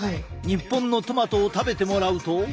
日本のトマトを食べてもらうと。